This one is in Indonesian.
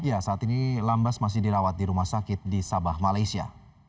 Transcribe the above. ya saat ini lambas masih dirawat di rumah sakit di sabah malaysia